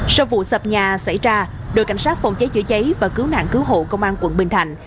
sau vụ sập nhà xảy ra đội cảnh sát phòng cháy chữa cháy và cứu nạn cứu hộ công an quận bình thạnh